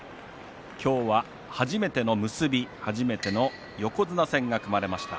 今日は初めての結び初めての横綱戦が組まれました。